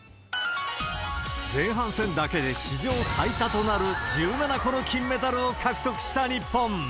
前半戦だけで史上最多となる１７個の金メダルを獲得した日本。